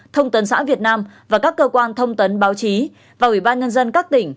thông tấn xã việt nam và các cơ quan thông tấn báo chí và ủy ban nhân dân các tỉnh